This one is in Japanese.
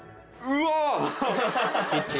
うわ！